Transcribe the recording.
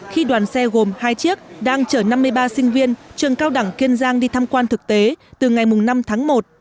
khi đoàn xe gồm hai chiếc đang chở năm mươi ba sinh viên trường cao đẳng kiên giang đi tham quan thực tế từ ngày năm tháng một